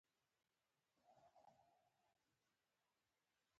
مایله سطحه د ساده ماشینونو یوه بیلګه ده.